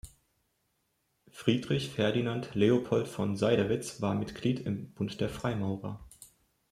Friedrich Ferdinand Leopold von Seydewitz war Mitglied im Bund der Freimaurer.